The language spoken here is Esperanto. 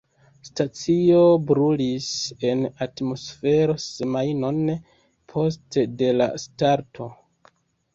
Stacio brulis en atmosfero semajnon post de la starto.